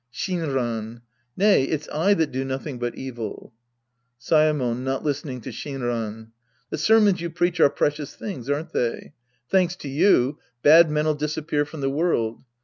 Shinran. Nay. It's I that do nothing but evil. Saemon {not listening to Shinran). The sermons you preach are precious things, aren't they ? Thanks to you, bad men'U disappear from the world.